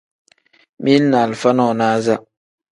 Mili ni alifa nonaza.